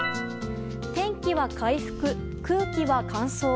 天気は回復、空気は乾燥。